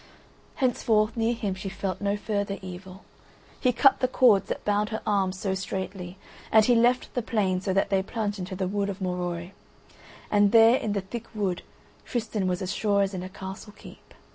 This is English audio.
Henceforth near him she felt no further evil. He cut the cords that bound her arms so straightly, and he left the plain so that they plunged into the wood of Morois; and there in the thick wood Tristan was as sure as in a castle keep.